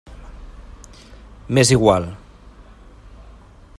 M'és igual.